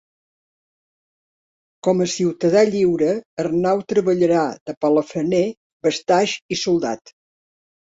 Com a ciutadà lliure, Arnau treballarà de palafrener, bastaix i soldat.